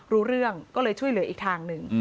รู้เรื่องก็เลยช่วยเหลืออีกทางหนึ่ง